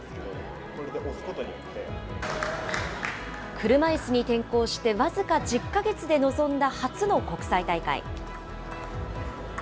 車いすに転向して僅か１０か月で臨んだ初の国際大会。